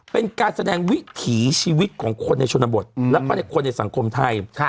เป็นการแสดงวิถีชีวิตของคนในชนบทแล้วก็ในคนในสังคมไทย